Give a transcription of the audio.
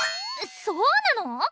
そうなの？